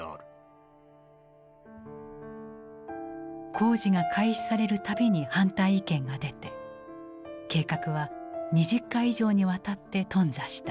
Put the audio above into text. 工事が開始される度に反対意見が出て計画は２０回以上にわたって頓挫した。